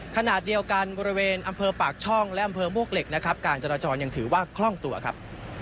ขณะเดียวกันบริเวณอำเภอปากช่องและอำเภอมวกเหล็กนะครับการจราจรยังถือว่าคล่องตัวครับ